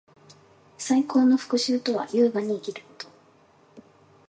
最高の復讐とは，優雅に生きること。